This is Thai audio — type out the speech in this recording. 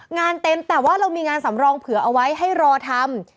งานเต็มแต่ว่าเรามีงานสำรองเผื่อเอาไว้ให้รอทำ